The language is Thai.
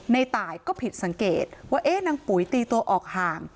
ในตายก็ผิดสังเกตว่านางปุ๋ยตีตัวออกห่าง